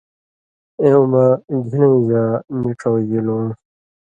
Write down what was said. اېوں مہ گِھن٘لئین٘ژا نی ڇؤژِلُوں